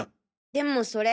でもそれ